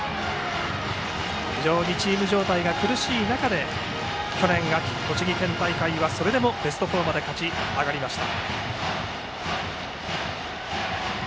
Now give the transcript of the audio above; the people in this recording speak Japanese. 非常にチーム状態が苦しい中で去年秋、栃木県大会ではそれでもベスト４まで勝ち上がりました。